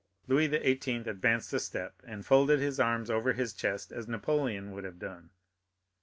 Louis XVIII. advanced a step, and folded his arms over his chest as Napoleon would have done.